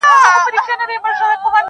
• ما مي له ژوندون سره یوه شېبه منلې ده -